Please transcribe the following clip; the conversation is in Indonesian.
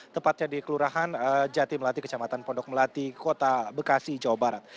tepatnya di kelurahan jati melati kecamatan pondok melati kota bekasi jawa barat